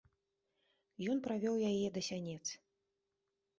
Ён правёў яе да сянец.